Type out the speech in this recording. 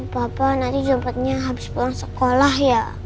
papa nanti jemputnya habis pulang sekolah ya